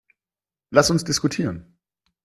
Lass uns diskutieren.